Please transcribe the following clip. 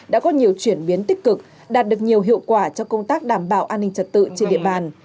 đã có nhiều chuyển biến tích cực đạt được nhiều hiệu quả cho công tác đảm bảo an ninh trật tự trên địa bàn